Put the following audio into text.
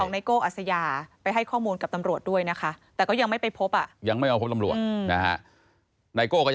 ของไนโกอัศยาไปให้ข้อมูลกับตำรวจด้วยนะค่ะ